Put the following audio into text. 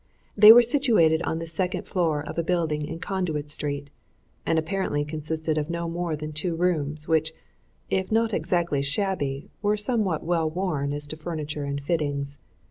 They were situated in the second floor of a building in Conduit Street, and apparently consisted of no more than two rooms, which, if not exactly shabby, were somewhat well worn as to furniture and fittings.